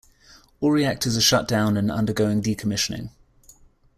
All reactors are shut down and undergoing decommissioning.